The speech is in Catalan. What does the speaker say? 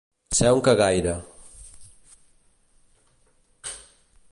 Ser un cagaire.